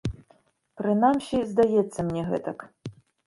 Прынамсі, здаецца мне гэтак.